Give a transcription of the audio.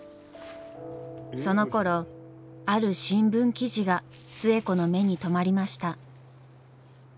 そのころある新聞記事が寿恵子の目に留まりました。